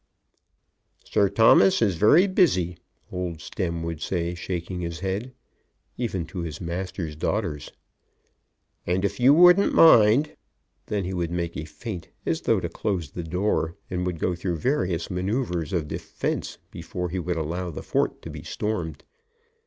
"Sir Thomas is very busy," old Stemm would say, shaking his head, even to his master's daughters, "and if you wouldn't mind " Then he would make a feint as though to close the door, and would go through various manoeuvres of defence before he would allow the fort to be stormed.